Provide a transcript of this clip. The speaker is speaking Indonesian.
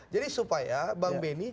jadi supaya bang benny